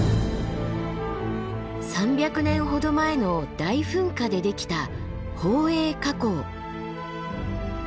３００年ほど前の大噴火でできた宝永火口。